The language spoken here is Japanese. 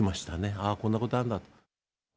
ああ、こんなことあるんだと。